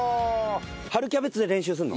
春キャベツで練習するの？